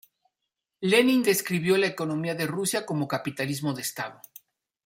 Lenin describió la economía de Rusia como capitalismo de Estado.